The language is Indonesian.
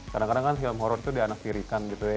kadang kadang kan film horror itu dianaktirikan gitu ya